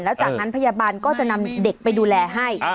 แล้วจากนั้นพยาบาลก็จะนำเด็กไปดูแลให้